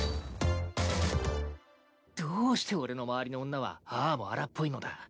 どうして俺の周りの女はああも荒っぽいのだ。